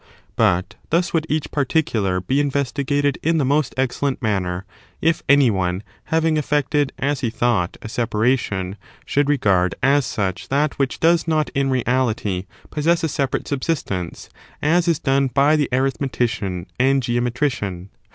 But thus would each particular be investigated in the most' excellent manner, if any one, having effected, as he thought, a separation, should regard as such that which does not in reality possess a separate subsistence, as is done by the arith metician and geometrician.